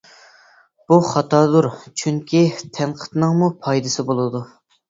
بۇ خاتادۇر، چۈنكى تەنقىدنىڭمۇ پايدىسى بولىدۇ.